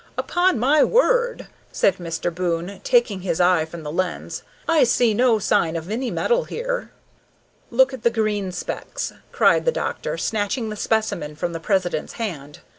"Upon my word," said Mr. Boon, taking his eye from the lens, "I see no sign of any metal here!" "Look at the green specks!" cried the doctor, snatching the specimen from the president's hand.